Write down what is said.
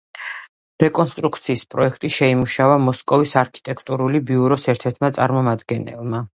რეკონსტრუქციის პროექტი შეიმუშავა მოსკოვის არქიტექტურული ბიუროს ერთ-ერთმა წარმომადგენელმა.